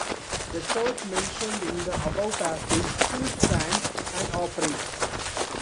The church mentioned in the above passage still stands and operates.